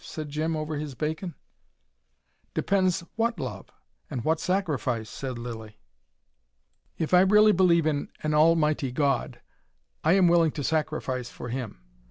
said Jim, over his bacon. "Depends WHAT love, and what sacrifice," said Lilly. "If I really believe in an Almighty God, I am willing to sacrifice for Him.